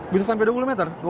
bisa sampai dua puluh meter